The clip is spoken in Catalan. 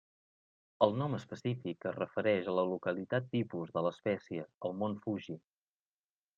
El nom específic es refereix a la localitat tipus de l'espècie, el Mont Fuji.